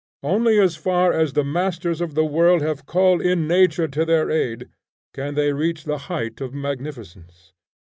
Only as far as the masters of the world have called in nature to their aid, can they reach the height of magnificence.